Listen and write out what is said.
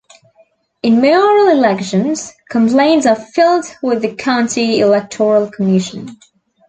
In mayoral elections, complaints are filed with the county electoral commission.